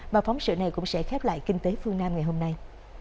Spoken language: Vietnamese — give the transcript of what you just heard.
và phóng sự này cũng sẽ khép lại kinh tế phương nam ngày hôm nay